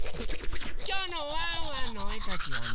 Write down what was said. きょうのワンワンのおえかきはね